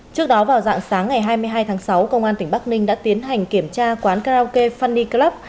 trước đó vào dạng sáng ngày hai mươi hai tháng sáu công an tỉnh bắc ninh đã tiến hành kiểm tra quán karaoke funy club